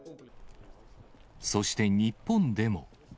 そして日本でも。